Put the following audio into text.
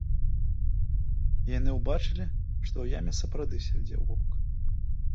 Яны ўбачылі, што ў яме сапраўды сядзеў воўк.